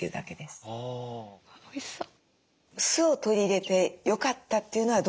酢を取り入れてよかったっていうのはどういう点ですか？